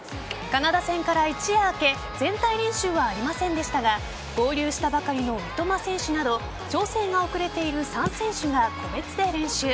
カナダ戦から一夜明け全体練習はありませんでしたが合流したばかりの三笘選手など調整が遅れている３選手が個別で練習。